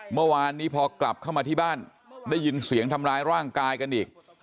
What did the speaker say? เมื่อวานนี้พอกลับเข้ามาที่บ้านได้ยินเสียงทำร้ายร่างกายกันอีก